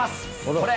これ。